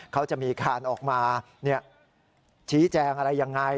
เขาจะมีการออกมาชี้แจงอะไรยังไง